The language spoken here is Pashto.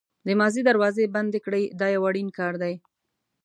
د ماضي دروازې بندې کړئ دا یو اړین کار دی.